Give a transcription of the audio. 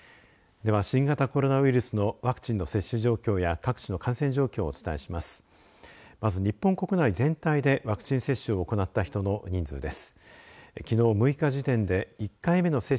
では、新型コロナウイルスのワクチンの接種状況や各地の感染状況をお伝えします。